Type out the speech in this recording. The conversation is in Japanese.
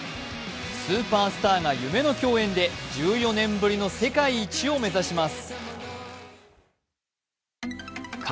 スーパースターが夢の共演で４年ぶりの世界一を目指します。